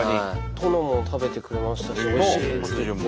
殿も食べてくれましたし「おいしい」っつって。